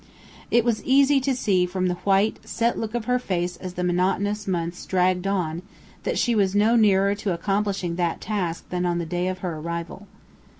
It was easy to see from the white, set look of her face as the monotonous months dragged on that she was no nearer to accomplishing that task than on the day of her arrival.